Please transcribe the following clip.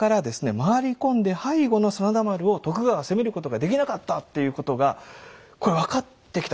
回り込んで背後の真田丸を徳川は攻めることができなかったっていうことがこれ分かってきた。